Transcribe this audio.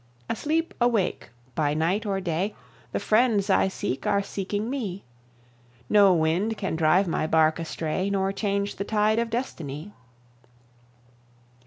Asleep, awake, by night or day The friends I seek are seeking me; No wind can drive my bark astray, Nor change the tide of destiny.